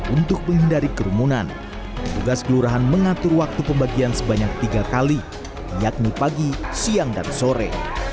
untuk menghindari kerumunan tugas kelurahan mengatur waktu pembagian sebanyak tiga kali yakni pagi siang dan sore